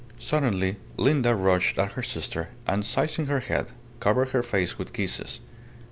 Suddenly Linda rushed at her sister, and seizing her head, covered her face with kisses.